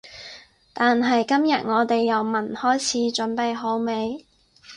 但係今日我哋由聞開始，準備好未？